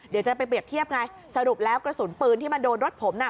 เดี๋ยวจะไปเปรียบเทียบไงสรุปแล้วกระสุนปืนที่มาโดนรถผมน่ะ